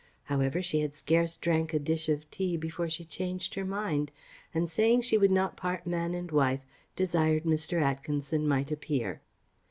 However, she had scarce drank a dish of tea before she changed her mind; and, saying she would not part man and wife, desired Mr. Atkinson might appear.